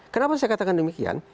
kenapa saya katakan demikian